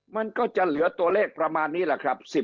มันก็จะเหลือตัวเลขประมาณนี้แหละครับ